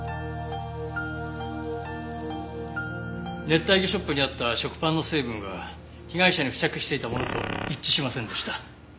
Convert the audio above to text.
熱帯魚ショップにあった食パンの成分は被害者に付着していたものと一致しませんでした。